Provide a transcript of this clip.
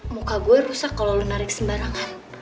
muka gue rusak kalo lo narik sembarangan